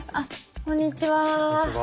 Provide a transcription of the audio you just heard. こんにちは。